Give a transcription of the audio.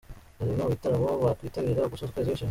Dore bimwe mu bitaramo wakwitabira ugasoza ukwezi wishimye:.